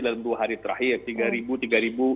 dalam dua hari terakhir tiga ribu